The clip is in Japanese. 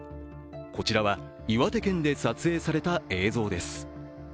こちらは岩手県で撮影された映像です。